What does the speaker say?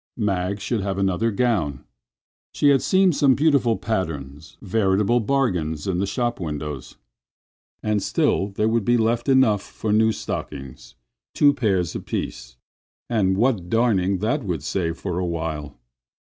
Mag should have another gown. She had seen some beautiful patterns, veritable bargains in the shop windows. And still there would be left enough for new stockings—two pairs apiece—and what darning that would save for a while!